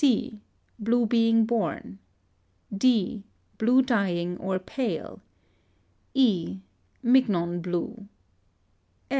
C. Blue being born. D. Blue dying or pale. E. Mignon blue.